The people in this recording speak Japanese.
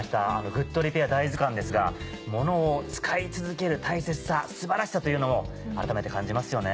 グッドリペア大図鑑ですが物を使い続ける大切さ素晴らしさというのを改めて感じますよね。